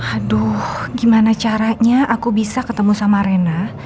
aduh gimana caranya aku bisa ketemu sama rena